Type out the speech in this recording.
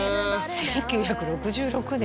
１９６６年